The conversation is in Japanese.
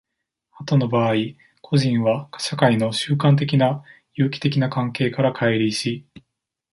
後の場合、個人は社会の習慣的な有機的な関係から乖離し、